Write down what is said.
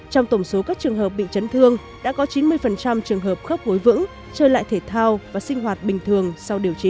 trong tổng số các trường hợp bị chấn thương đã có chín mươi trường hợp khớp gối vững chơi lại thể thao và sinh hoạt bình thường sau điều trị